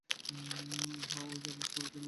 হ্যাঁঁ, ঐযে আদমশুমারির জন্য এসেছিলাম যে।